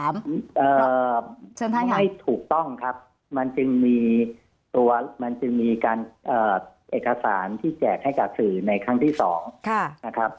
ไม่ถูกต้องครับมันจึงมีตัวมันจึงมีการเอกสารที่แจกให้กับสื่อในครั้งที่๒นะครับ